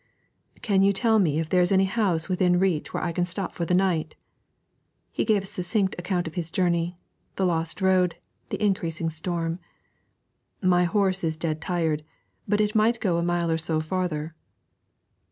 'Can you tell me if there is any house within reach where I can stop for the night?' He gave a succinct account of his journey, the lost road, the increasing storm. 'My horse is dead tired, but it might go a mile or so farther.'